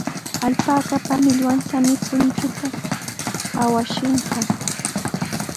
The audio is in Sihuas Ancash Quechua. Alpaka millwapitami punchunta awachishqa.